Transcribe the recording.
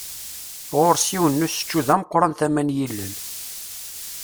Ɣur-s yiwen n usečču d ameqqṛan tama n yilel.